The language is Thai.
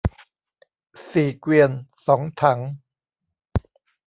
สี่เกวียน สองถัง